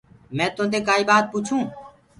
مينٚ توندي ڪآئي ٻآت پوڇونٚ؟